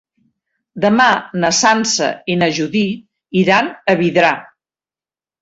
Demà na Sança i na Judit iran a Vidrà.